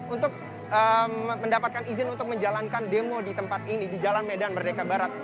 untuk mendapatkan izin untuk menjalankan demo di tempat ini di jalan medan merdeka barat